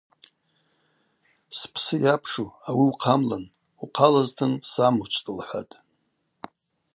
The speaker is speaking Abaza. Спсы йапшу, ауи ухъамлын, Ухъалызтын – самучвтӏ, – лхӏватӏ.